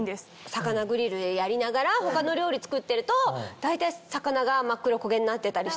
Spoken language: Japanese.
魚グリルでやりながら他の料理作ってると大体魚が真っ黒焦げになってたりして。